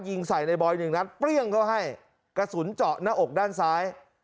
ยิงใส่ในบอยหนึ่งนัดเปรี้ยงเข้าให้กระสุนเจาะหน้าอกด้านซ้าย